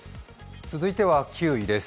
続いては９位です。